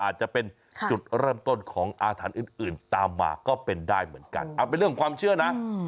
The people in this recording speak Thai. อาจจะเป็นจุดเริ่มต้นของอาถรรพ์อื่นตามมาก็เป็นได้เหมือนกันเป็นเรื่องความเชื่อนะ